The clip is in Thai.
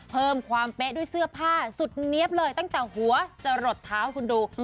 เพิ่มความเป๊ะด้วยเสื้อผ้าสุดเนี๊ยบเลยตั้งแต่หัวจะหลดเท้าคุณดู